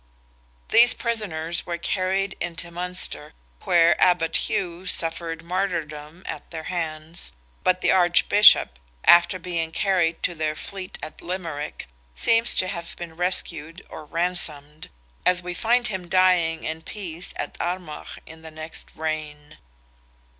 These prisoners were carried into Munster, where Abbot Hugh suffered martyrdom at their hands, but the Archbishop, after being carried to their fleet at Limerick, seems to have been rescued or ransomed, as we find him dying in peace at Armagh in the next reign.